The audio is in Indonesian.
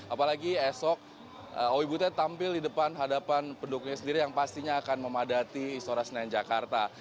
apalagi esok owi butet tampil di depan hadapan pendukungnya sendiri yang pastinya akan memadati istora senayan jakarta